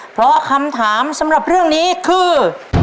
เพราะคำถามสำหรับเรื่องนี้คือ